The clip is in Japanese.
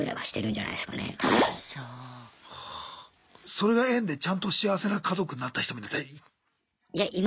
それが縁でちゃんと幸せな家族になった人もいたり。